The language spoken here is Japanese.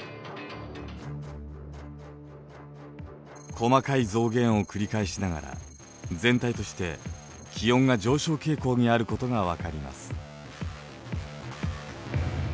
細かい増減を繰り返しながら全体として気温が上昇傾向にあることが分かります。